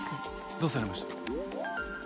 どうされました？